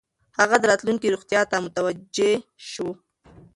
هغه د راتلونکې روغتیا ته متوجه شو.